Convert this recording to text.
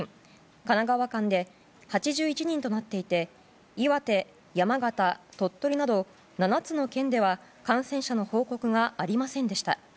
神奈川県で８１人となっていて岩手、山形、鳥取など７つの県では感染者の報告がありませんでした。